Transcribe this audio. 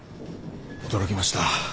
驚きました。